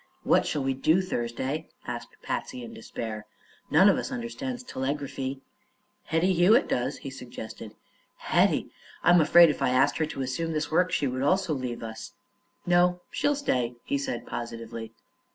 "What shall we do, Thursday?" asked Patsy in despair. "None of us understands telegraphy." "Hetty Hewitt does," he suggested. "Hetty! I'm afraid if I asked her to assume this work she also would leave us." "No; she'll stay," he said positively.